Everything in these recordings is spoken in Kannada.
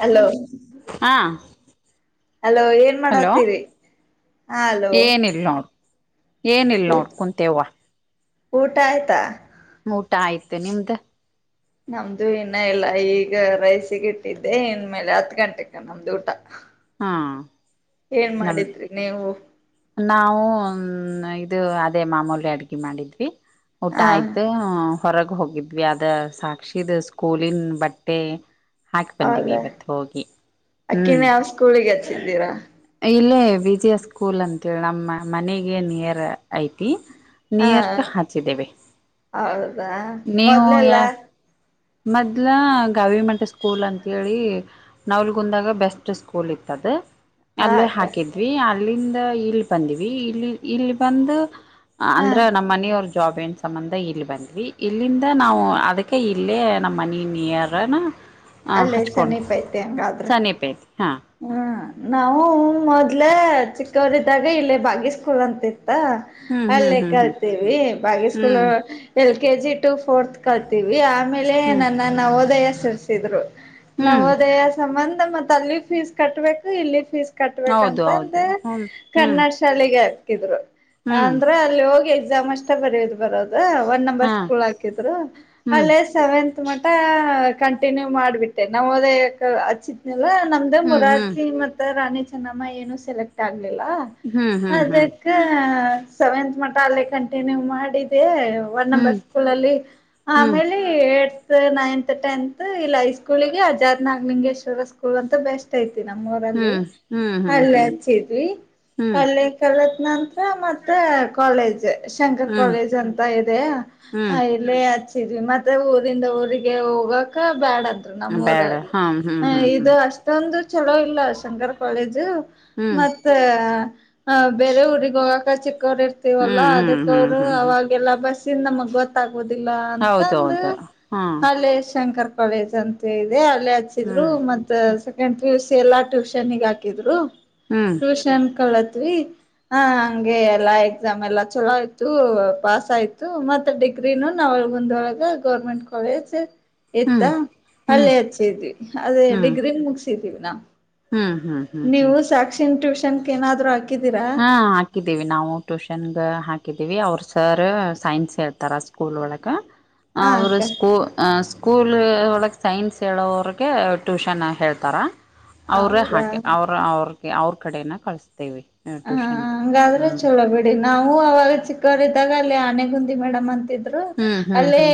ಹಲೋ ಹಾ ಅಲೋ ಏನು ಏನ್ ಮಾಡತೀರಿ ಹ ಅಲೋ ಏನ್ ಇಲ್ ನೋಡ್ ಏನಲ್ ನೋಡ್ ಕುಂತೇವ್ ಊಟ ಆಯ್ತಾ ಊಟ ಆಯ್ತು ನಿಮ್ದ ನಮ್ದು ಇನ್ನ ಇಲ್ಲ ಈಗ ರೈಸಿಗೆ ಇಟ್ಟಿದ್ದೆ ಇನ್ಮೇಲೆ ಹತ್ ಗಂಟೆ ನಮ್ದು ಊಟ ಹಾ ಏನ್ ನಾಮ್ ಮಾಡಿದ್ರಿ ನೀವು ನಾವು ಹ ಇದು ಅದೇ ಮಾಮೂಲಿ ಅಡ್ಗೆ ಮಾಡಿದ್ವಿ ಊಟ ಹಾ ಆಯ್ತು ಹೊರಗೆ ಹೋಗಿದ್ವಿ ಅದ ಸಾಕ್ಷಿದ ಸ್ಕೂಲಿನ ಬಟ್ಟೆ ಹಾಕ್ ಬಂದೀವಿ ಹೌದಾ ಇವತ್ತು ಹೋಗಿ ಹ್ಮ್ ಕೂಳಿಗ್ ಹಚ್ಚಿದ್ದೀರಾ ಇಲ್ಲೇ ವಿಜಯ ಸ್ಕೂಲ್ ಅಂತೇಳಿ ನಮ್ಮ ಮನೆಗೆ ನಿಯರ್ ಐತಿ ಹಾ ನೀರ್ಕ್ ಹಾಚಿದ್ದೇವೆ ಹೌದಾ ನೀವು ಮೊದ್ಲೆಲ್ಲ ಯಾ ಮದ್ಲ ಗೌರ್ಮೆಂಟ್ ಸ್ಕೂಲ್ ಅಂತೇಳಿ ನಾವಲ್ಗಂದಾಗ ಬೆಸ್ಟ್ ಸ್ಕೂಲ್ ಇತ್ತದ ಹ ಅಲ್ಲೇ ಅಕ್ಕ ಹಾಕಿದ್ವಿ ಅಲ್ಲಿಂದ ಇಲ್ ಬಂದ್ವಿ ಇಲ್ಲಿ ಇಲ್ ಬಂದು ಹ ಅಂದ್ರ ನಮ್ಮ್ ಮನೆಯವ್ರ ಜಾಬ್ ಏನ್ ಸಂಬಂಧ ಇಲ್ಲಿ ಬಂದ್ವಿ ಇಲ್ಲಿಂದ ನಾವು ಅದಕ್ಕೆ ಇಲ್ಲೇ ನಮ್ಮ ಮನ ನಿಯರ ಅಲ್ಲೇ ಹಚ್ಕೊಂಡು ಸನ್ನಪೈತಿ ಹಾಂ ಹ ನಾವು ಮೊದ್ಲೆೇ ಚಿಕ್ಕವರಿದ್ದಾಗ ಇಲ್ಲಿ ಬಾಗ ಸ್ಕೂಲ್ ಅಂತ ಇತ್ತ ಹ್ಮ್ ಹ್ಮ್ ಅಲ್ಲೇ ಹ್ಮ್ ಕಲ್ತೀವಿ ಬಾಗ ಸ್ಕೂಲ್ ಹ್ಮ್ L K G to fourth ಕತೀವಿ ಆಮೇಲೆ ಹ್ಮ್ ಹ್ಮ್ ನನ್ನ ನ ಹೋದಯ ಸಸಿದ್ರು ಹ್ಮ್ ನವೋದಯ ಸಂಬಂಧ ಮತ್ ಅಲ್ಲಿ ಫೀಸ್ ಕಟ್ಬೇಕು ಇಲ್ಲಿ ಫೀಸ್ ಹೌದು ಕಟ್ಬೇಕಂತ ಹೌದು ಅಂದ್ರೆ ಹ್ಮ್ ಹ್ಮ್ ಕನ್ನಡ ಶಾಲೆಗೆ ಹಾಕಿದ್ರು ಹ್ಮ್ ಅಂದ್ರೆ ಅಲ್ಲಿ ಹೋಗಿ ಎಕ್ಸಾಮ್ ಅಷ್ಟೇ ಬರ್ ಬರೋದು ಒಂದ್ ನಂಬರ್ ಹಾ ಸ್ಕೂಲ್ ಹಾಕಿದ್ರು ಅ ಹ್ಮ್ ಸೆವೆಂತ್ ಮಟ ಕಂಟಿನ್ಯೂ ಮಾಡ್ಬಿಟ್ಟೆ ನಾವು ಹೋದ ಹಚ್ಚಿತ್ನಲ್ಲ ನಮ್ದ ಹ್ಮ್ ಹ್ಮ್ ಮುರಾರ್ಜಿ ಮತ್ತೆ ರಾಣಿ ಚೆನ್ನಮ್ಮ ಏನು ಸೆಲೆಕ್ಟ್ ಆಗ್ಲಿಲ್ಲ ಹ್ಮ್ ಹ್ಮ್ ಅದ ಹ್ಮ್ ಹ ಸೆವೆಂತ್ ಮಠ ಅಲ್ಲೇ ಕಂಟಿನ್ಯೂ ಮಾಡಿದ್ದೆ ಒ ಹ್ಮ್ ನಂಬರ್ ಸ್ಕೂಲ್ ಅಲ್ಲಿ ಹ್ಮ್ ಆೇ ಏಟ್ತ್ ನೈನ್ತ್ ಟೆಂತ್ ಇಲ್ಲಿ ೈ ಸ್ಕೂಲ್ಗೆ ಅಜಾರ್ ನಾಗಲಿಂಗೇಶ್ವರ ಸ್ಕೂಲ್ ಅಂತ ಬೆಸ್ಟ್ ತಿ ನಮ್ಮ ಊರಲ್ಲಿ ಹ್ಮ್ ಹ್ಮ್ ಹ್ಮ್ ಅಲ್ಲೇ ಹ್ಮ್ ಹಚ್ಚಿದ್ವಿ ಹ್ಮ್ ಅಲ್ಲ ಕಳ್ಳತ್ ನಂತರ ಮತ್ತೆ ಕಾಲೇಜ್ ಶಂಕರ್ ಹ್ಮ್ ಕಾಲೇಜ್ ಅಂತ ಇದೆ ಹ್ಮ್ ಇಲ್ಲೇ ಹಚ್ಚಿದ್ವಿ ಮತ್ತೆ ಊರಿಂದ ಊರಿಗೆ ಹೋಗಕ ಬ್ಯಾಡಂದರ ಬೇಡ ನಮ್ಮೂರಲ್ಲಿ ಹಾ ಹ್ಮ್ ಹ ಹ್ಮ್ ಇದು ಹ್ಮ್ ಅಷ್ಟ ತಂದು ಚಲೋ ಇಲ್ಲ ಶಂಕರ್ ಕಾಲೇಜು ಹ್ಮ್ ಮತ್ತ ಬೇರೆ ಊರಿಗೆ ಹೋಗಕ ಚಿಕ್ಕವರು ಇರ್ತೀವಲ್ಲ ಹ್ಮ್ ಅದಕ್ಕ ಹ್ಮ್ ಹ್ಮ್ ಅವರು ಹ್ಮ್ ಹ್ಮ್ ಅವಾಗ ಎಲ್ಲ ಬಸ್ಸಿಂದ ನಮಗ್ ಗೊತ್ತಾಗುದಿಲ್ಲ ಅಂತಂದ ಹೌದೌದು ಹಾ ಹಲ್ಲೇ ಶಂಕರ್ ಕಾಲೇಜ್ ಅಂತ ಹೇಳಿದೆ ಅಲ್ಲೇ ಹಚ್ಚಿದ್ರು ಹ್ಮ್ ಮತ್ತ ಸೆಕೆಂಡ್ ಪಿಯೂಸಿ ಎಲ್ಲಾ ಟ್ಯೂಷನ್ಗ ಹಾಕಿದ್ರು ಹ್ಮ್ ಟ್ಯೂಷನ್ ಕಳತ್ವಿ ಹಾ ಹಂಗೆ ಎಲ್ಲಾ ಎಕ್ಸಾಮ್ ಎಲ್ಲಾ ಚಲೋ ಆಯ್ತು ಪಾಸ್ ಆಯ್ತು ಮತ್ ಡಿಗ್ರಿನು ನವಲಗುಂದಳಗ ಗೌರ್ಮೆಂಟ್ ಕಾಲೇಜ್ ಇತ್ತ ಹ್ಮ್ ಹ್ಮ್ ಹ್ಮ್ ಅಲ್ಲೇ ಹಚ್ಚಿದ್ವಿ ಅದೇ ಹ್ಮ್ ಡಿಗ್ರಿ ಮುಗಸಿದೀವಿ ನಾ ಹ್ಮ್ ಹ್ಮ್ ಹ್ಮ್ ಹ್ಮ್ ನೀವು ಸಾಕ್ಷಿನ್ ಟ್ಯೂಷನ್ ಏನಾದ್ರು ಹಾಕಿದ್ದೀರಾ ಹಾ ಹಾಕಿದ್ದೀವಿ ನಾವು ಟ್ಯೂಷನ್ಗ ಹಾಕಿದ್ದೀವಿ ಅವರು ಸರ್ ಸೈನ್ಸ್ ಹೇಳ್ತಾರಷ್ಟ ಸ್ಕೂಲ್ ವಳಗ ಹ ಅವರ ಅಕ್ಕ ಸ್ಕೂ ಸ್ಕೂಲ್ ಒಳಗೆ ಸೈನ್ಸ್ ಹೇಳೋವ್ರಗೆ ಟ್ಯೂಷನ್ ಹೇಳ್ತಾರ ಅವರೇ ಹೌದಾ ಹಾಕಿ ಅವರು ಅವ್ರಿಗೆ ಅವ್ರ ಕಡನ ಕಳಿಸ್ತೇವಿ ಹ ಟ್ಯೂಷನ್ಗೆ ಹಂಗಾದ್ರೆ ಹ್ಮ್ ಚಲೋ ಬಿೇಡಿ ನಾವು ಅವಾಗ ಚಿಕ್ಕವರಿದ್ದಾಗ ಅಲ್ಲಿ ಆನೆಗುಂದಿ ಮೇಡಮ್ ಅಂತಿದ್ದ ಹ್ಮ್ ಹ್ಮ್ ಅಲ್ಲೆ ಹ್ಮ್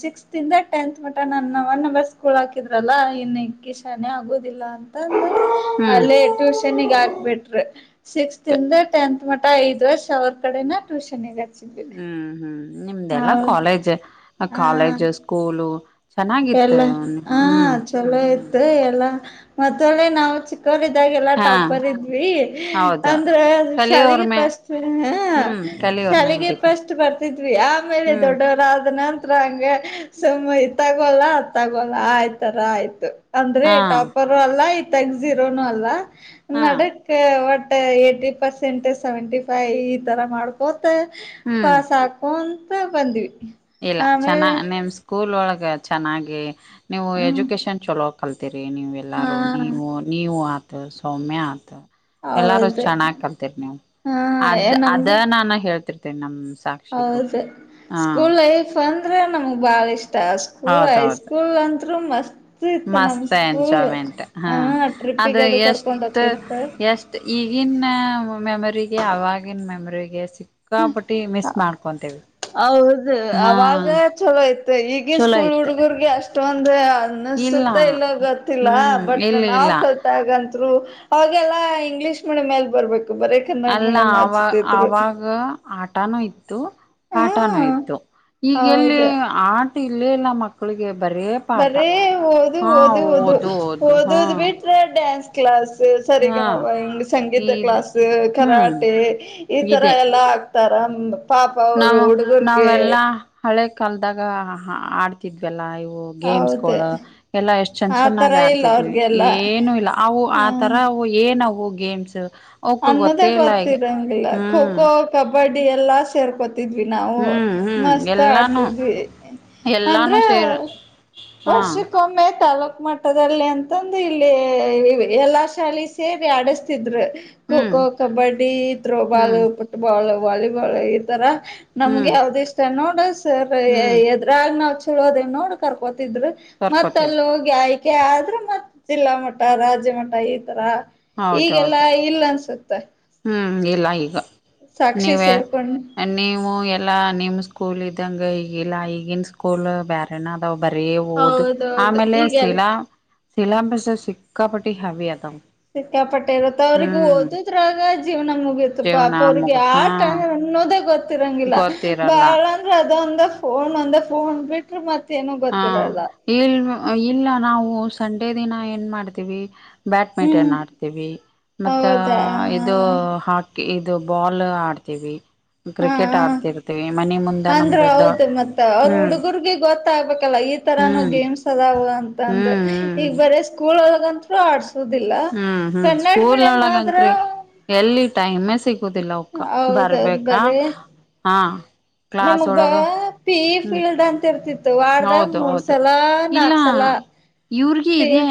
ಸಿಕ್ಸ್ ತಿಂದ ಟೆಂತ್ ಮಟ ನನ್ನ ಒನ್ ನಂಬರ್ ಸ್ಕೂಲ್ ಹಾಕಿದ್ರಲ್ಲಾ ಇನ್ನು ಕಿ ಶಾನೆ ಆಗೋುದಿಲ್ಲ ತಂದ ಹ್ಮ್ ಅಲ್ಲೇ ಟ್ಯೂಷನ್ಗ ಹಾಕ್ಬಿಟ್ರ ಸಿಕ್ಸತಿಂದ ಟೆಂತ್ ಮಟ್ಟ ಐದ್ ವರ್ಷ ಅವ್ರ ಕಡೆನ ಟ್ಯೂಷನ್ಗ ಹಚ್ಚಿದ್ವಿ ಹ್ಮ್ ಹ್ಮ್ ನಿಮ್ದಲ್ಲಾ ಹೌ ಕಾಲೇಜ್ ಕಾಲೇಜ್ ಸ್ಕೂಲು ಎಲ್ಲ ಚೆನ್ನಾಗಿತ್ತು ಹ ಹ್ಮ್ ಚಲೋ ಹ್ಮ್ ಇತು ಎಲ್ಲ ಮತ್ತೆ ನಾವು ಚಿ ಕಾಲೇಜಾಗೆ ಎಲ್ಲ ಹಾ ಟಾಪರ್ ಇದ್ವಿ ಹೌದು ಅಂದ್ರ ಕಲಿಯೋರ್ ಶಾಲೆಗೆ ಮೇ ಪಸ್ತ್ವಿ ಹ್ಮ್ ಕಲಿಯೋರ್ ಮೇಲ್ ಶಾಲೆಗೆ ಡಿಪೆಂಡ್ ಫಸ್ಟ್ ಬರ್ತಿದ್ವಿ ಆಮೇಲೆ ಹ್ಮ್ ದೊಡ್ಡವರಾದನ ಹತ್ರ ಹಂಗೆ ಸುಮ್ಮ ಇತ್ತಾಗು ಅಲ್ಲ ಅತ್ತಾಗು ಅಲ್ಲ ಆಯ್ತರ ಆಯ್ತು ಅಂದ್ರೆ ಹಾ ಟಾಪರ್ ಅಲ್ಲ ಇತ್ತಾಗ ಜಿರೋನು ಅಲ್ಲ ಹಾ ನಡೆ ಒಟ್ ಏಟಿ ಪರ್ಸೆಂಟ್ ಸೆವೆಂಟಿ ಪಾಯ ಈ ತರ ಮಾಡ್ ಕೋತ ಹ್ಮ್ ಪಾಸ್ ಹಾಕೊಂತ ಬಂದ್ವಿ ಇಲ್ಲ ಚೆನ್ನ ಆಮೇಲೆ ನಿಮ್ ಸ್ಕೂಲ್ ಒಳಗ ಚೆನ್ನಾಗಿ ನೀವು ಹ್ಮ್ ಎಜುಕೇಶನ್ ಚಲೋ ಕಲ್ತರಿ ನೀವು ಹಾ ಎಲ್ಲಾರೂ ನೀವು ನೀವು ಆತ ಸೌಮ್ಯ ಆತ ಎಲ್ಲಾರು ಹೌದು ಚೆನ್ನಾಗ್ ಕಲ್ತಿರಿ ನೀವು ಹಾ ಅದ್ ಅದ ನಮ್ದು ನಾನು ಹೇಳ್ತಿರ್ತನಿ ನಮ ಸಾಕ ಹೌದು ಸ್ಕೂಲ್ ಲೈಫ್ ಅಂದ್ರೆ ನಮಗ್ ಬಾಳ ಇಷ್ಟ ಸ್ಕೂಲ್ ಹೌದೌದು ಐಸ್ಕೂಲ್ ಅಂತರು ಮಸ್ತ್ ಇತ್ತು ನಮ್ ಮಸ್ತ್ ಸ್ಕೂಲ್ ಎಂಜಾಯ್ಮೆಂಟ್ ಹಾ ಹ ಅದು ಟ್ರಿಪ್ಪಿಗೆ ಕರ್ಕೊಂಡ್ ಎಷ್ಟು ಹೋಗ್ತಿತ್ತ ಎಷ್ಟ ಈಗಿನ ಮೆಮೊರಿಗೆ ಅವವಾಗಿನ ಮೆಮರಿಗೆ ಚಿಕ್ಕಾಪುಟ್ಟಿ ಮಿಸ್ ಮಾಡ್ಕೊಂತೇವಿ ಹೌದು ಹಾ ಅವಾಗ ಚಲೋ ಐ್ತ ಈಗನ್ ಚಲೋ ಸ್ಕೂಲ್ ಇತ್ ಹುಡುಗರ್ಗೆ ಅಷ್ಟೊಂದ ಇಲ್ಲ ಸತೈಲೋಗಲ್ಲ ಹ್ಮ್ ಬಟ್ ಇಲ್ಲ ಇಲ್ಲ ನಾವು ತ್ರು ಅವೆಲ್ಲಾ ಇಂಗ್ಲಿೀಷ್ ಮೀಡಿಯಮ್ ಮೇಲ್ ಬರ್ಬೇಕು ಬರ ಅಲ್ಲ ಆ ಆವಾಗ ಆಟನೂ ಇತ್ತು ಹಾ ಪಾಠನೂ ಇತ್ತು ಈಗೆಲ್ಲಿ ಹೌದು ಆ ಇಲ್ಲೇ ಇಲ್ಲ ಮಕ್ಕಳಿಗೆ ಬರೀ ಬರೀ ಓದು ಓದು ಓದು ಓದು ಹಾ ಓದದ್ ಬಿಟ್ರ ಡ್ಯಾನ್ಸ್ ಕ್ಲಾಸ್ು ಹಾ ಸರಿಗಮ ಸಂಗೀತ ಇದ್ ಕ್ಲಾಸ್ ಹ್ಮ್ ಕರಾಟೆ ಈ ತರ ಇದೆ ಎಲ್ಲ ಆಗ್ತಾರ ಪಾಪ ಅವರು ನಾವು ಹುಡುಗರ್ಗೆ ನಾವೆಲ್ಲಾ ಹಳೆ ಕಾಲದಾಗ ಆಡ್ತಿದ್ವಲ್ಲಾ ಇವು ಹೌದ ಗೇಮ್ಸ್ಗಳು ಎಲ್ಲಾ ಎಷ್ಟ್ ಚಂದ ಆ ತರ ಚೆನ್ನಾಗಿ ಇಲ್ಲ ಆಡ್ತಿದ್ವಿ ಅವ್ರಿಗೆಲ್ಲ ಏನು ಇಲ್ಲ ಅವು ಆತರ ಹ ಏನವು ಗೇಮ್ಸ್ ಅವಕ್ ಅನ್ನೋದೇ ಗೊತ್ತೇ ಇಲ್ಲ ಈಗ ಗೊತ್ತರಂಗಿಲ್ಲ ಖೋ ಹ್ಮ್ ಖೋ ಕಬಡ್ಡಿ ಎಲ್ಲಾ ಸೇರ್ಕೋತಿ ತಿದ್ವಿ ನಾವು ಹ್ಮ್ ಹ್ಮ್ ಮಸ್ತ್ ಎಲ್ಲಾನು ಆಡ್ತಿದ್ವಿ ಅಂದ್ರ ಎಲ್ಲಾನು ಸೇರ್ ಹಾ ವರ್ಷಕ್ಕೊಮ್ಮೆ ತಾಲ್ಲೂಕ್ ಮಾಡ ತಟದಲ್ಲಿ ಅಂತಂದು ಇಲ್ಲಿ ಎಲ್ಲಾ ಶಾಲಿ ಸೇರಿ ಆಡಸ್ತಿದ್ರು ಖೋ ಹ್ಮ್ ಖೋ ಕಬಡ್ಡಿ ಥ್ರೋಬಾಲ್ ಹ್ಮ್ ಫುಟ್ಬಾಲ್ ವಾಲಿಬಾಲ್ ಈ ತರ ನಮ್ಗೆ ಹ್ಮ್ ಯಾವ್ದ್ ಇಷ್ಟ ನೋಡ ಸರ್ ಹ್ಮ್ ಎದ್ರಾಗ ನಾವ್ ಚಲೋದೇ ನೋಡು ಕರ್ಕೋತಿದ್ರರು ಮತ್ತ ಕರ್ಕೋತಿದ್ ಅಲ್ಲಿ ಹೋಗಿ ಆಯ್ಕೆ ಆದ್ರರು ಮತ್ತ್ ಜಿಲ್ಲಾ ಮಟ್ಟ ರಾಜ್ಯ ಮಟ್ಟ ಈ ತರ ಈಗೆಲ್ಲ ಹೌದೌದು ಇಲ್ಲ ಅನ್ಸುತ್ತ ಹ್ಮ್ ಎಲ್ಲ ಈಗ ಸಾಕ್ಷಿ ನೀವೇ ಸೇರ್ಕೊಂಡು ನೀವು ಎಲ್ಲಾ ನಿಮ ಸ್ಕೂಲ್ ಇದಂಗ ಈಗಲ್ಲ ಈಗಿನ ಸ್ಕೂಲ್ ಬ್ಯರೆ ನಾದಾವ್ ಬರೀ ಹಓದು ಹೌದೌದು ಆಮೇಲೆ ಈಗಲ್ ಶಿಲಾ ಸಲಾಂಬಸ ಸಿಕ್ಕಾಪಟ್ಟಿ ಹಾವಿಯಾದ್ ಸಿಕ್ಕಾಪಟ್ಟೆ ಇರುತ್ತೆ ಅವ್ರಿಗೆ ಓದದ್ರಾಗ ಜೀವನ ಮುಗಿಯತು ಜೀವನ ಪಾಪ ಅವ್ರಿಗೆ ಮುಗ್ದ ಆ ಹಾ ಟೈಮ ನ್ನೋದೇ ಗೊತ್ತಿರಂಗಿಲ್ಲ ಗೊತ್ತಿರಲ್ಲ ಬಾಳ ಅದೊಂದ ಫೋನ್ ಒಂದ ಫೋನ್ ಬಿಟ್ರ ಮತ್ತ ಏನ ಹಾ ಗೊತ್ತಿರಲ್ಲ ಇಲ್ ಇಲ್ಲ ನಾವು ಸಂಡೆ ದಿನ ಏನ್ ಮಾಡ್ತೀವಿ ಬ್ಯಾಡ್ಮಿಂಟನ್ ಹ್ಮ್ ಆಡ್ತೀವಿ ಮತ್ತ ಹೌದಾ ಇದು ಹಾಕಿ ಇದು ಬಾಲ್ ಆಡ್ತೀವಿ ಹಾ ಕ್ರಿಕೆಟ್ ಹಾ ಆಡ್ತಿರ್ತೀವಿ ಮನೆ ಮುಂದೆ ನಮ್ದದ್ದ ಹ್ಮ್ ಗೆ ಗೊತ್ತ ಆಗ್ಬೇಕಲ್ಲ ಈ ತರಾನ ಹ್ಮ್ ಗೇಮ್ಸ್ ಅದಾವ ಅಂತಂದ ಹ್ಮ್ ಈಗ ಹ್ಮ್ ಬರ ಸ್ಕೂಲ್ ಒಗಂಂತ ಆಸ್ ದಿಲ್ಲ ಹ್ಮ್ ಹ್ಮ್ ಕನ್ನಡ ಸ್ಕೂಲ್ ಮೀಡಿಯಂ ಆದ್ರು ಒಳಗಂಕ್ರಿ ಎಲ್ಲಿ ಟೈಮೇ ಸಿಗುದಿಲ್ಲ ಅವಕ್ಕ ಹೌದೌದು ಬರ್ಬೇಕಾ ಹಾ ಕ್ಲಾಸ್ ನಮ್ಗ್ ಬ ಒಳಗ ಪೀಫ ಹ್ಮ್ ಇಲ್ದ ಅಂತ ಇರ್ತಿತ್ತು ವರದಗ್ ಹೌದು ಮೂರ್ ಹೌದು ಸಲ ಇಲ್ಲ ನಾಕು ಸಲ ಇವ್ರಗಿ ಪಿ ಇದೆ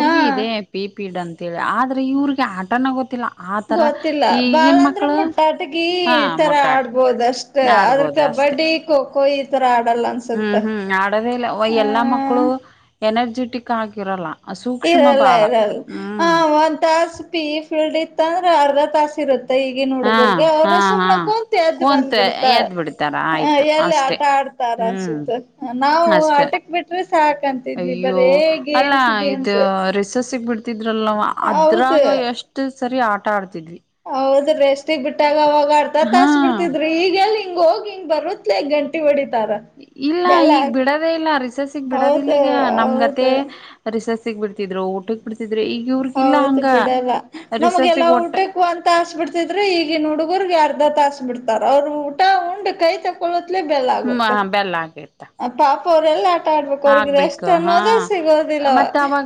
ಹಾ ಇದೆ ಪಿ ಪಿಡ್ ಅಂತೇಳಿ ಆದರೆ ಇವ್ರಿಗೆ ಆಟನ ಗೊತ್ತಿಲ್ಲ ಆತರ ಗೊತ್ತಿಲ್ಲ ಬಾಳ ಈಗನ್ ಅಂದ್ರೆ ಮಕ್ಕಳು ಮುಟ್ಟಾಟಗಿ ಹಾ ಈ ತರ ಮುಟ್ಟಾಟಕಿ ಆಡ್ಬೋದಷ್ಟ ಆದದ್ರ ಆಡ್ಬೋದು ಅಷ್ಟೆ ಕಬಡ್ಡಿ ಖೋಖೋ ಈ ತರ ಆಡಲ್ಲ ಅ ಹ್ಮ್ ಹ್ಮ್ ಆಡದೇ ಇಲ್ಲ ಎಲ್ಲಾ ಮಕ್ಕಳು ಎನರ್ಜೆಟಿಕ್ ಆಗಿರಲ್ಲ ಸೂಕ್ಷ್ಮ ಇರಲ್ಲ ಬಾಳ ಇರಲ್ಲ ಹ ಹ್ಮ್ ಒಂದ್ ತಾಸ ಪಿ ಇ ಫೀಲ್ಡ್ ಇತ್ತ ಅಂದ್ರೆ ಅರ್ಧ ತಾಸ ಇರುತ್ತೆ ಈಗ ಹಾ ನುಡುಗರ್ಗೆ ಹಾ ಅವ್ರ ಹಾ ಸುಮ್ನೆ ಕುಂತು ಎದ್ದು ಬಂದ್ ಕುಂತ ಬಿಡ್ತರೆ ಎದ್ ಬಿಡ್ತಾರ ಆಯ್ತು ಎಲ್ಲಿ ಅಷ್ಟೆ ಆಟ ಆಡ್ತ ತಾ ಹ್ಮ್ ರಸುತ್ತ ನಾವು ಅಷ್ಟೆ ಆಟಕ್ ಬಿಟ್ರೆ ಸಾಕಂತಿದ್ವಿ ಅಯ್ಯೋ ಬರೇ ಅಲ್ಲ ಗೇಮ್ಸ್ ಗೇಮ್ಸ್ ಇದು ರಿಸಸ್ಸಿಗೆ ಬಿಡ್ತಿದ್ರಲ್ವ ಹೌದು ಅದ್ರಾಗ ಎಷ್ಟ್ ಸರಿ ಆಟ ಆಡ್ತಿದ್ವಿ ಹೌದ ರೀ ರೆಷ್ಟಿಗೆ ಬಿಟ್ಟಾಗ ಅವಾಗ ಅರ್ಧ ಹಾ ತಾಸ್ ಬಿಡ್ತಿದ್ರಿ ಈಗೆಲ್ಲಿ ಹಿಂಗ್ ಹೋಗಿ ಹಿಂಗ ಬರುತ್ಲೆ ಗಂಟಿ ಹೊಡಿತಾರ ಇಲ್ಲ ಬೆಲ್ಲ ಈಗ್ ಬಿಡದೇ ಇಲ್ಲ ರಿಸರ್ಸಗ್ ಬಿಡದ ಹೌದು ಇಲ್ಲೀಗ ನಮ್ಗತೆ ಹೌದು ರೋಸಸ್ ಗೆ ಬಿಡ್ತಿದ್ರು ಊಟ ಬಿಡ್ತಿದ್ರರು ಈಗ ಇವ್ರಗಿಲ್ಲ ಹೌದು ಹಂಗ ಬಿಡಲ್ಲ ನಮ್ಗೆಲ್ಲ ರಿಸಸ್ಸಿಗೆ ಒಟ್ಟ ಊಟ ಒಂಥಾಸ್ ಬಿಡ್ತಿದ್ರೆ ಈಗಿನ ಹುಡುಗರ್ಗೆ ಅರ್ಧ ತಾಸ ಬಿಡ್ತಾರ ಅವ್ರು ಊಟ ಉಂಡ್ ಕೈ ತ ಒಗತ್ಲೇ ಬೆಲ್ಲ ಹ್ಮ ಆಗುತ್ತೆ ಬೆಲ್ಲ ಆಗೇತ್ತ ಪಾಪ ಅವರೆಲ್ಲ ಆ ಆಡ್ಬೇಕು ಹೊರ್ಗಿದ ಎಷ್ಟ ಆಗ್ಬೇಕು ಅನ್ನೋದ ಸಿಗೋದಿಲ್ಲ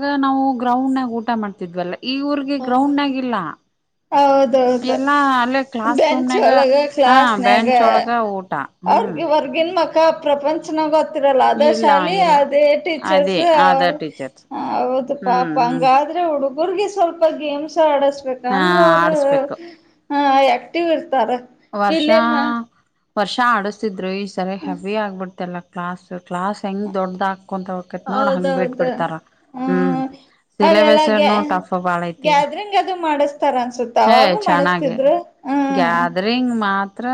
ಆ ನಾವು ಗ್ರೌಂಡ್ ನಗ ಊಟ ಮಾಡ್ತಿದ್ವಲ್ಲ ಈ ಊರ್ಗೆ ಗ್ರೌಂಡ್ ಆಗಿಲ್ಲ ಹೌದೌದು ಎಲ್ಲಾ ಅಲ್ಲೇ ಕ್ಲಾಸ್ ಬೆಂಚ್ ರೂಮ್ನಾಗ ಒಳಗ ಹ ಕ್ಲಾಸ್ನ್ಯಾಗ ಬ್ಯಾಂಚ್ಒಳಗ ಊಟ ಹ್ಮ್ ಆಗನ್ ಮಕ್ಕ ಪ್ರಪಂಚನಾಗ ಗೊತ್ತರಲ್ಲ ಅದೇ ಇಲ್ಲ ಶಾಲಿ ಇಲ್ಲ ಅದೇ ಟೀಚರ್ಸ್ ಅದೇ ಆಧಾರ್ ಟೀಚರ್ಸ್ ಹ ಹೌದು ಪಾಪ ಹ್ಮ್ ಹ್ಮ್ ಹಂಗಾದ್ರೆ ಹುಡುಗರ್ಗೆ ಸ್ವಲ್ಪ ಗೇಮ್ಸ್ ಆಡಸ್ಬೇಕು ಹಾ ಆಗಾಂಧ್ರ ಅವರು ಆಡಸ್ಬೇಕು ಆಕ್ಟಿವ್ ಇರ್ತಾರ ವರ್ಷ ಇಲ್ಲೇಮ್ಮ ವರ್ಷ ಆಡಿಸ್ತಿದ್ರು ಈ ಸರಿ ಹೆವಿ ಆಗ್ಬಿಡ್ತಲ್ಲ ಕ್ಲಾಸ್ ಕ್ಲಾಸ್ ಹೆಂಗ್ ದೊಡ್ಡ್ದ ಹಾಕೊಂತಕೈತ್ ನೋಡ್ ಹಂಗ್ ಬಿಟ್ ಹೌದೌದು ಬಿಿಡ್ತಾರ ಹ್ಮ ಹ್ಮ್ ಸಿಿಲೆ ವಸನು ಟಫ್ ಬಾಳ ಐತಿ ಈಗ ಹ ಅದು ಮಾಡಿಸಸ್ತಾರ ಅನ್ಸುತ್ತ ಹೇ ಅವಾಗೂ ಮಾಡಿಸ್ತಿದ್ರು ಹ್ಮ್ ರಿಂಗ್ ಮಾತ್ರ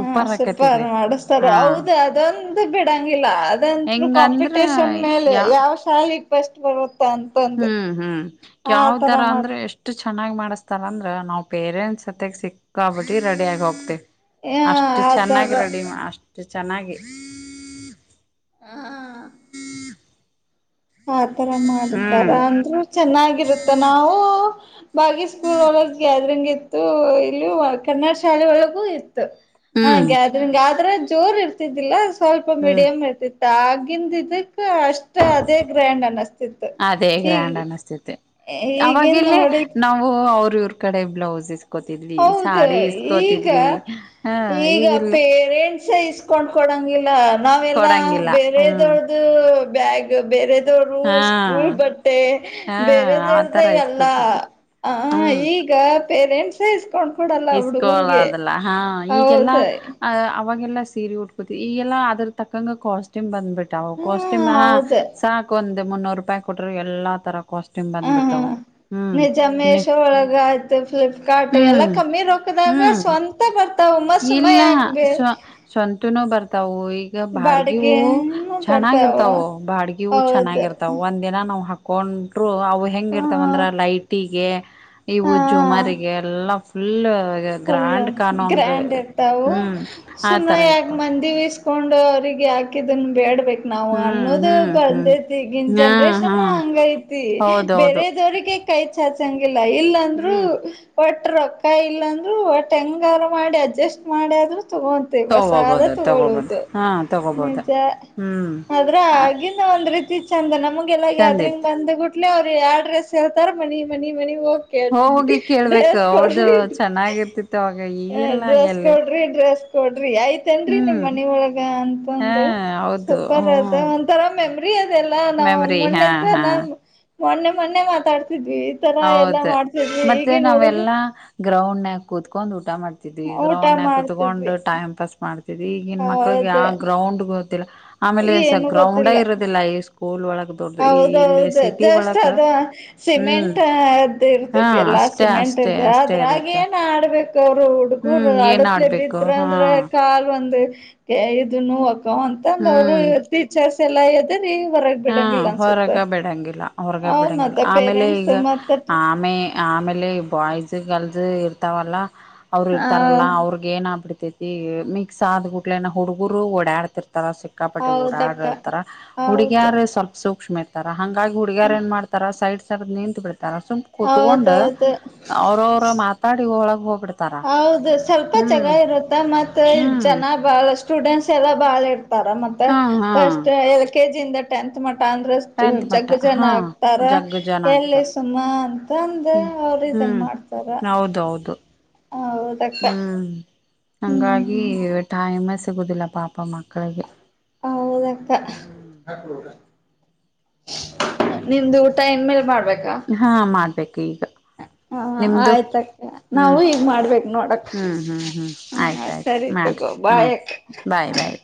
ಹಾ ಸುಪಾರ ಆಕೇತಿಲ್ಲಿ ಮಾಡಿಸ್ತಾರೆ ಹಾ ಹೌದ ಅದೊಂದು ಬಿಡಂಗಿಲ್ಲ ಅದಂತ್ರು ಹೆಂಗಂದ್ರ ಕಾಂಪಿಟೇಷನ್ ಮೇಲೆ ಯಾ ಯಾವ ಶಾಲೆಗ್ ಬಸ್ಟ್ ಬರುತ್ತ ಅಂತ ಹ್ಮ್ ಹ್ಮ್ ಯಾವ ತರ ಅಂದ್ರೆ ಮಾಡ್ತ ಎಷ್ಟ ಎಷ್ಟು ಚೆನ್ನಾಗ್ ಮಾಡಿಸಸ್ತಾರ ಅಂದ್ರ ನಾವವು ಪೇರೆಂಟ್ಸ್ ಹತ್ತಗ್ ಸಿಕ್ಕಾಬಿಟ್ಟಿ ರೆಡಿಿಯಗ ಹೋಗ್ತಿೇವಿ ಆ ಅಷ್ಟು ಆತರ ಚೆನ್ನಾಗಿ ರೆಡಿಮ ಅಷ್ಟು ಚೆನ್ನಾಗಿ ಹಾ ಆತರ ಮಾಡ್ತಾರ ಹ್ಮ್ ಅಂದ್ರು ಚೆನ್ನಾಗಿರುತ್ತೆ ನಾವು ಬಾಗಿ ಸ್ಕೂಲ್ ಒಳಗ್ ಗ್ಯಾದ್ರಂಗ್ ಇತ್ತು ಇಲ್ಲೂ ಕನ್ನಡ್ ಶಾಲೆ ಒಳಗೂ ಇತ್ತು. ಹಾ ಹ್ಮ್ ಗ್ಯಾದ್ರಿಂಗ್ ಆದ್ರೆ ಜೋರ್ ಇರ್ತಿದ್ದಿಲ್ಲ ಸ್ವಲ್ಪ ಹ್ಮ್ ಮೀಡಿಯಂ ಇರ್ತಿತ್. ಆಗಿಂದ್ ಇದಕ್ಕ ಅಷ್ಟ ಅದೇ ಗ್ರ್ಯಾಂಡ್ ಅನಸ್ತಿತ್ತು ಈ ಸ್ತೈತೆ. ಈಗೆನ್ ನೋಡಿ ನಾವು ಅವ್ರ್ ಇವ್ರ್ ಕಡೆಗ್ ಬ್ಲೌಸಿಸ್ ಕೋತಿದ್ವಿ ಹೌದು ಸಾಡಿ ಈಗ ಇಸ್ಕೋತಿದ್ವಿ ಹಾ ಈಗಿಲ್ಲ ಸ ಇಸ್ಕೊಂಡ್ ಕೊಡಂಗಿಲ್ಲ ನಾವೆಲ್ಲ ಕೊಡಂಗಿಲ್ಲ ಹ್ಮ್ ಬೇರೆದವ್ರ್ದು ಬ್ಯಾಗ್ ಬೇರೆದವರು ಹಾ ಸ್ಕೂಲ್ ಬಟ್ಟೆ ಹಾ ಬೇರೆದವೃದ್ದೆ ಆತರ ಎಲ್ಲ ಇಸ್ಕೋತಿದ್ವಿ ಅಹ ಹ್ಮ್ ಈಗ ಪೇರೆಂಟ್ಸೇ ಇಸ್ಕೊಂಡ್ ಕೊಡಲ್ಲ ಇಸ್ಕೋಳಲ್ಲ ಹುಡುಗರ್ಗೆ ಅದೆಲ್ಲ ಹಾ ಹೌದ ಈಗೆಲ್ಲಾ ಅಯ್ ಅವಾಗೆಲ್ಲಾ ಸೀರೆ ಉಟ್ ಈಗೆಲ್ಲಾ ಅದ್ರ ತಕ್ಕಂಗ ಕಾಸ್ಟ್ಯೂಮ್ ಬಂದ್ಬಿಟ್ಟಾವು ಹ್ಮ ಕಾಸ್ಟ್ಯೂಮ್ ಹ ಹೌದು ಸಾ ಕ್ಕೊಂದ ಮುನ್ನೂರು ರೂಪಾಯಿ ಕೊಟ್ರೆ ಎಲ್ಲಾ ತರ ಕಾಸ್ಟ್ಯೂಮ್ ಹ್ ಹಾ ಬಂದ್ಬಿಡ್ತಾವ ಹ್ಮ್ ನಿಜ ಮೇಷ ಒಳಗ ಆಯ್ತು ಫ್ಲಿಪ್ಕಾರ್ಟ್ ಎಲ್ಲ ಹ್ಮ್ ಕಮ್ಮಿದ ಕ್ಕದಾಗ ಹ್ಮ್ ಸ್ವಂ ಇಲ್ಲ ಸ್ವ ಸ್ವಂತನೂ ಬರ್ತಾವು ಈಗ ಬಾಡಗಿ ಹೂವು ಬಾಡಿಗೆನು ಬರ್ತಾವ ಚೆನ್ನಾಗಿರ್ತಾವು ಬಾಡಗಿವು ಹೌದು ಚೆನ್ನಾಗಿರ್ತಾವ್ ಒನ್ ಎನ ನಾವ್ ಹಾಕೊಂಡ್ರು ಅವು ಹೆಂಗ್ ಹ ಇರ್ತಾವಂದ್ರ ಲೈಟಿಗೆ ಇವು ಹಾ ಜುಮಾರಿಗೆ ಎಲ್ಲಾ ಫುಲ್ ಗ್ರಾಂಡ್ ಕಾಣೋ ಹಂಗ್ ಅಂಡ್ ಇರ್ತಾವು ಸುಮ್ಮನೆ ಯಾಕ್ ಇತ್ತು ಮಂದಿ ವಿಸ್ಕೊಂಡವ್ರಿಗೆ ಹಾಕಿದನ್ ಬೇಡ್ಬೇ ನಾವು ಹ್ಮ್ ಅನ್ನೋದು ಹ್ಮ್ ಹ್ಮ್ ಬಂದೈತಿ ಈಗಿನ್ ಹಾ ಹಾ ಜನ್ರೇಷನ್ನ ಹಂಗೈತಿ ಹೌದೌದು ಬೇರೆದವ್ರಿಗೆ ಕೈ ಚಾಚಂಗಿಲ್ಲ ಇಲ್ಲಾಂದ್ರು ಹ್ಮ್ ಒಟ್ ರೊಕ್ಕ ಇಲ್ಲ ಒಟ್ ಹೆಂಗಾರ ಮಾಡಿ ಅಡ್ಜಸ್ಟ್ ಮಾಡಿ ಆದ್ರು ತಗೊ ಹೊಸಾದೆ ತಗೋಬೋದು ತಗೋಬೋದು ತಗೋಳುದು ಹಾ ತಗೋಬೋದು ನಿಜ ಹ್ಮ್ ಆದ್ರ ಆಗಿಂದ ಒಂದ್ ರೀತಿ ಚೆಂದ ನಮಗೆಲ್ಲ ಚಂದ ಗ್ಯಾದ್ರಿಂಗ್ ಇತ್ತು ಬಂದ್ ಗುಟ್ಲೆ ಅವ್ರು ಯಾವ್ ಡ್ರೆಸ್ ಹೇಳ್ತಾರ ಮನಿ ಮನಿ ಮನಿಗ್ ಹೋಗ್ ಕೇಳ್ತಿದ್ವಿ ಹೋಗಿ ಕೇಳ್ಬೇಕ ಡ್ರೆಸ್ ಕೊಡ್ ಹೌದು ಚೆನ್ನಾಗಿರ್ತಿತ್ತು ಅವಾಗ ಹ ಈಗೆಲ್ಲ ಡ್ರೆಸ್ ಎಲ್ಲಿ ಕೊಡ್ರಿ ಡ್ರೆಸ್ ಕೊಡ್ರಿ ಆಯ್ತೇನ್ರಿ ನಿಮ್ ಹ್ಮ್ ಮನಿ ಒಳಗ ಅನ್ ಹಾ ಬಂದು ಹೌದು ಸೂಪರ್ ಅದ ಹ್ಮ್ ಒಂಥರ ಮೆಮರಿ ಅದೆಲ್ಲ ನಾವ್ ಮೆಮ್ರಿ ಹಾ ಹಾ ಮಣ್ಣೆತ್ತನ್ [unintelligible] ಮೊನ್ನೆ ಮೊನ್ನೆ ಮಾತಾಡ್ತಿದ್ವಿ ಈ ತರ ಎಲ್ಲಾ ಹೌದು ಮಾಡ್ತಿದ್ವಿ ಈಗಿನ್ ಹುಡುಗು ಗ್ರೌಂಡ್ ನ್ಯಾಗ್ ಕುೂತ್ಕೊಂದ್ ಊಟ ಮಾಡ್ತಿದ್ವಿ ಊಟ ಗ್ರೌಂಡ್ ನ್ಯಾಗ್ ಮಾಡ್ತಿದ್ವಿ ಕೂತ್ಕೊಂಡು ಟೈಮ್ ಪಾಸ್ ಮಾಡ್ ಈಗಿನ್ ಮಕ್ಳಿಗೆ ಹೌದ ಆ ಗ್ರೌಂಡ್ ಗೊತ್ತಿಲ್ಲ ಆಮೇಲೆ ಸ ಏನು ಗ್ರೌಂಡೇ ಇರೋದಿಲ್ಲ ಈ ಸ್ ಸ್ಕೂಲ್ ಒಳಗ. ದೊಡ್ಡದು ಈ ಹೌದು ಇಲ್ಲಿ ಹೌದು ಸಿಟಿ ಜಸ್ಟ್ ಅದ ಹ್ಮ್ ಸಿಮೆಂಟ ಅದ್ ಇರ್ ಹಾ ರ್ತೈತಿ ಎಲ್ಲಾ ಅಷ್ಟೇ ಸಿಮೆಂಟ್ ಅಷ್ಟೇ ಇಂತ ಅಷ್ಟೇ ಇರುತ್ತೆ ಆದ್ರಾಗೆನ್ ಆಡ್ಬೇಕ ಅವ್ರು ಹುಡುಗರು ಹ್ಮ್ ಏನ್ ಅಡತ್ಲೆ ಆಡ್ಬೇಕು ಬಿದ್ರ ಹಾ ಅಂದ್ರೆ ಕಾಲ್ ಒಂದೆ ಇದು ನೋವಕ್ಕ ಅಂತಂದ್ ಅವ್ರು ಹ್ಮ್ ಟೀಚರ್ಸ್ ಎಲ್ಲಾ ಹೆದ್ರಿ ಹೊರಗ್ ಹಾ ಬಿಡಂಗಿಲ್ಲ ಅನ್ಸುತ್ತ ಹೊರಗ ಬಿಡಂಗಿಲ್ಲ ಹೊರಗ ಹೌದ್ ಮತ್ತ ಬಿಡಂಗಿಲ್ಲ ಆಮೇಲೆ ಪೇರೆಂಟ್ಸ್ ಈಗ ಮತ್ತ ಆಮೆ ಆಮೇಲೆ ಬಾಯ್ಸ್ ಗರ್ಲ್ಸ್ ಇರ್ತಾವಲ್ಲ ಅವ್ರು ಹ ಇರ್ತಾರಲ್ಲ ಅವ್ರ್ ಏನ್ ಆಬಿಡ್ತೈತಿ ಮಿಕ್ಸ್ ಆದ್ ಗುಡ್ಲೆನ ಹುಡ್ಗುರು ಓಡಾಡ್ತಿರ್ತಾರ ಸಿಕ್ ಕಾಪಟ್ಟಿ ಹೌದಕ್ಕ ಓಡಾಡರ್ ತರ ಹುಡಿ ಹೌದು ಸ್ವಲ್ಪ ಸೂಕ್ಷ್ಮ ಇರ್ತಾರ ಹಂಗಾಗಿ ಹುಡುಗ್ಯಾರ್ ಏನ್ ಮಾಡ್ತಾರ ಸೈಡ್ ಸರ್ದ್ ನಿಂತ್ ಬಿಡ್ತಾರ ಸುಮ್ ಕುೂತ್ಕೊಂಡ ಹೌದೌದು ಅವ್ರವ್ರ ಮಾತಾಡಿ ಒಳಗ್ ಹೋಗ್ಬಿಡ್ ಹೌದು ಸ್ವಲ್ಪ ಚೆನ್ನ ಇರುತ್ತೆ ಮತ್ತೆ ಹ್ಮ್ ಜನ ಬಾಳ ಸ್ಟೂಡೆಂಟ್ಸ್ ಎಲ್ಲಾ ಬಾಳ ಇರ್ತಾರ ಮತ್ತ ಹಾ ಹಾ ಫಸ್ಟ್ ಎಲೆ ಕೆ ಜಿ ಯಿಂದ ಟೆಂತ್ ಮಠ ಅಂದ್ರೆ ಟೆಂತ್ ಮಟ್ಟ ಜಗ್ಗಿ ಜನ ಹಾ ಆಗ್ತಾರ ಜಗ್ಗ ಜನ ಎಲ್ಲಿ ಆಗ್ತಾರ ಸುಮ ಅಂತಂದ ಹ್ಮ್ ಅವ್ರ ಇದನ್ ಹ್ಮ್ ಮಾಡ್ ಹೌದೌದು ಹೌದಕ್ಕ ಹ್ಮ್ ಹಂಗಾಗಿ ಹ್ಮ್ ಟೈ ಮೆ ಸಿಗುದಿಲ್ಲ ಪಾಪ ಮಕ್ಕಳಿಗೆ. ಹೌದಕ್ಕ ಹ್ಮ್ ನಿಂದ್ ಊಟ ಇನ್ಮೇಲ್ ಮಾಡ್ಬೇಕ. ಹಾ ಮಾಡ್ಬೇಕು ಈಗ ನಿಮ್ದು ಆಯ್ತಕ್ಕ ನಾವು ಹ್ಮ್ ಈಗ ಮಾಡ್ಬೇಕ ನೋಡಕ್ ಹ್ಮ್ ಹ್ಮ್ ಹ್ಮ್ ಹ ಆಯ್ತ್ ಆಯ್ ಸರಿ ಮಾಡ್ರಿ ತಗೋ ಹಾ ಬಾಯಕ್ಕ ಬಾಯ್ ಬಾಯ್.